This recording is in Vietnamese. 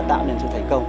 để tạo nên sự thành công